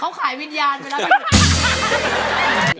เขาขายวิญญาณมีลำยึด